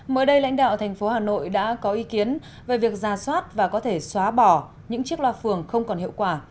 mới đây lãnh đạo thành phố hà nội đã có ý kiến về việc ra soát và có thể xóa bỏ những chiếc loa phường không còn hiệu quả